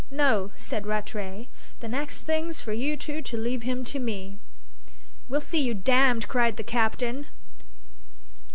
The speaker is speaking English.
"No," said Rattray; "the next thing's for you two to leave him to me." "We'll see you damned!" cried the captain.